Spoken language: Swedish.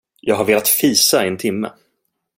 Jag har velat fisa i en timme.